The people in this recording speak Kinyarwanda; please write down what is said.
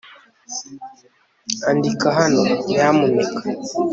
andika hano, nyamuneka